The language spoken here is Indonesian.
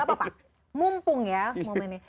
gak apa apa mumpung ya momennya